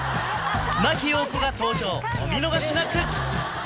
真木よう子が登場お見逃しなく！